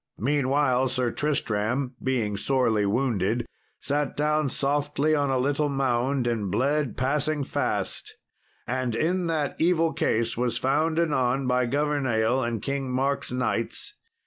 Meanwhile, Sir Tristram, being sorely wounded, sat down softly on a little mound and bled passing fast; and in that evil case was found anon by Governale and King Mark's knights.